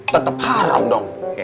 tetep haram dong